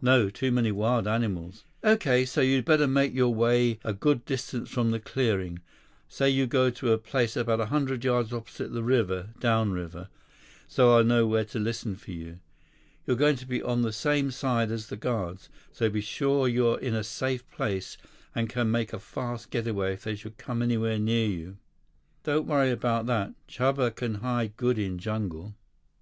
"No, too many wild animals." "Okay. So, you'd better make your way a good distance from the clearing. Say you go to a place about a hundred yards opposite the river—downriver—so I'll know where to listen for you. You're going to be on the same side as the guards, so be sure you're in a safe place and can make a fast getaway if they should come anywhere near you." "Don't worry about that. Chuba can hide good in jungle."